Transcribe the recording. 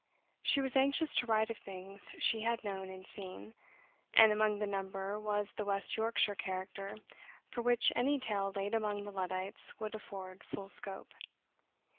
She was anxious to write of things she had known and seen; and among the number was the West Yorkshire character, for which any tale laid among the Luddites would afford full scope.